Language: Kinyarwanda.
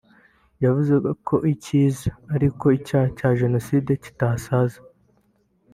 yavuze ko ikiza ari uko icyaha cya jenoside kidasaza